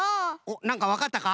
なんかわかったか？